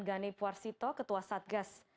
ghani warsito ketua satgas